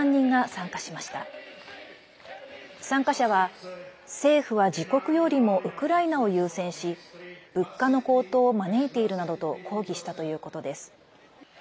参加者は政府は自国よりもウクライナを優先し物価の高騰を招いているなどと抗議したということです。